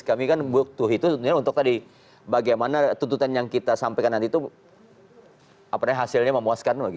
kami kan butuh itu sebenarnya untuk tadi bagaimana tuntutan yang kita sampaikan nanti itu hasilnya memuaskan